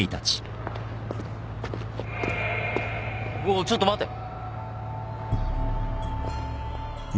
おうちょっと待て。